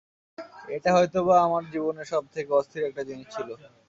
এটা হয়তোবা আমার জীবনের সব থেকে অস্থির একটা জিনিস ছিল।